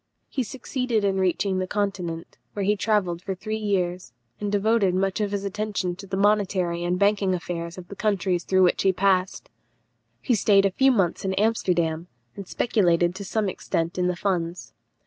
He succeeded in reaching the Continent, where he travelled for three years, and devoted much of his attention to the monetary and banking affairs of the countries through which he passed. He stayed a few months in Amsterdam, and speculated to some extent in the funds.